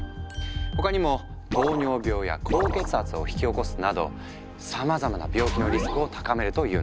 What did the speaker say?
他にも糖尿病や高血圧を引き起こすなどさまざまな病気のリスクを高めるというんだ。